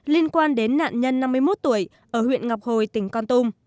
liên quan đến nạn nhân năm mươi một tuổi ở huyện ngọc hồi tỉnh con tum